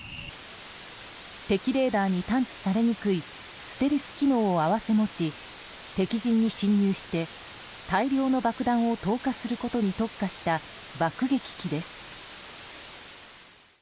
敵レーダーに探知されにくいステルス機能を併せ持ち敵陣に進入して、大量の爆弾を投下することに特化した爆撃機です。